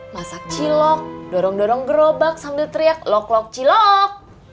masak cilok dorong dorong gerobak sambil teriak lok lok cilok